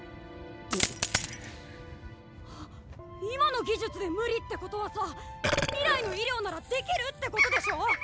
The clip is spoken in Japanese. ハッ今の技術で無理ってことはさ未来の医療ならできるってことでしょ？